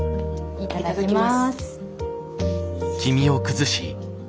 いただきます。